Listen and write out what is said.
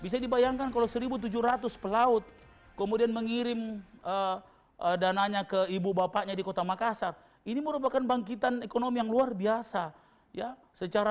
jika pelaut di makassar mengirimkan ke ibu bapaknya di makassar ini merupakan bangkitan ekonomi yang luar biasa